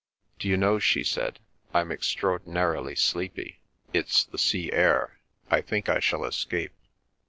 "D'you know," she said, "I'm extraordinarily sleepy. It's the sea air. I think I shall escape."